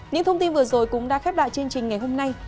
những thông tin vừa rồi cũng đã khép lại chương trình ngày hôm nay